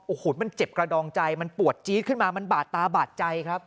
โอ้โหมันเจ็บกระดองใจมันปวดจี๊ดขึ้นมามันบาดตาบาดใจครับ